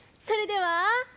それでは。